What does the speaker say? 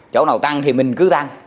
chỗ nào tăng thì mình cứ tăng